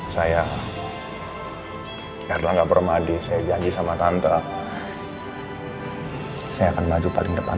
sayang ya udah nggak pernah di saya janji sama tante saya akan maju paling depan